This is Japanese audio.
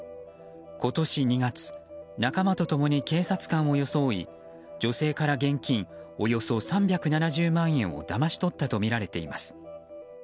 今年２月、仲間と共に警察官を装い女性から現金およそ３７０万円をだまし取ったとみられています。